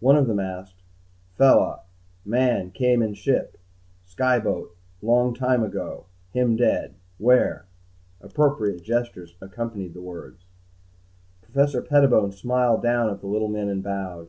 One of them asked, "Fella man came in ship sky boat long time ago. Him dead? Where?" Appropriate gestures accompanied the words. Professor Pettibone smiled down at the little men and bowed.